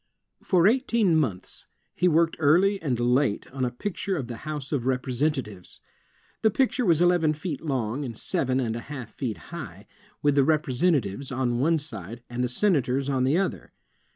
For eighteen months, he worked early and late on a picture of the House of Representatives. The picture was eleven feet long and seven and a half feet high, with the Representatives on one side, and the Senators on the other.